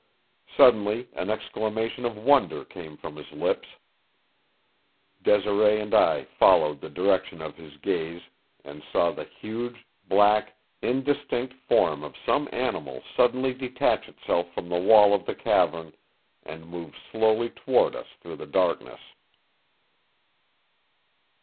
Suddenly an exclamation of wonder came from his lips. Desiree and I followed the direction of his gaze, and saw the huge, black, indistinct form of some animal suddenly detach itself from the wall of the cavern and move slowly toward us through the darkness.